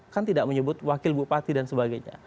kan tidak menyebut wakil bupati dan sebagainya